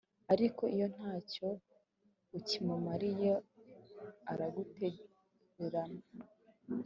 ariko iyo nta cyo ukimumariye, aragutererana